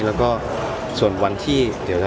แล้วก็ส่วนวันที่